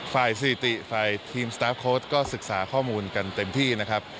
สถิติฝ่ายทีมสตาร์ฟโค้ดก็ศึกษาข้อมูลกันเต็มที่นะครับ